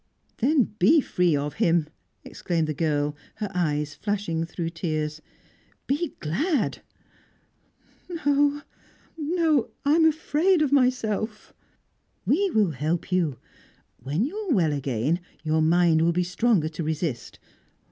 "Then be free of him!" exclaimed the girl, her eyes flashing through tears. "Be glad!" "No no! I am afraid of myself " "We will help you. When you are well again, your mind will be stronger to resist.